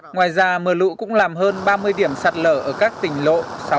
ngoài ra mưa lũ cũng làm hơn ba mươi điểm sạt lở ở các tỉnh lộ sáu trăm bảy mươi ba sáu trăm bảy mươi sáu